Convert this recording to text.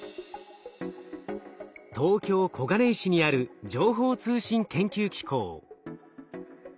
東京小金井市にある情報通信研究機構。